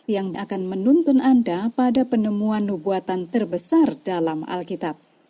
yang akan menuntun anda pada penemuan nubuatan terbesar dalam alkitab